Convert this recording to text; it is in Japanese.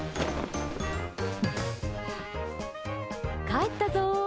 帰ったぞ！